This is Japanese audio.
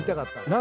何？